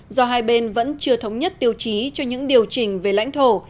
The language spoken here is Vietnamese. do hai bên vẫn chưa thống nhất tiêu chí cho những điều chỉnh về lãnh thổ